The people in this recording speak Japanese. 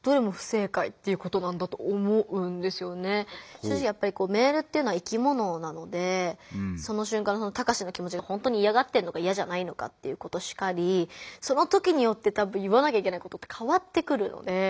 正直やっぱりメールっていうのは生きものなのでその瞬間のタカシの気もちがほんとにいやがってるのかいやじゃないのかっていうことしかりその時によって多分言わなきゃいけないことって変わってくるので。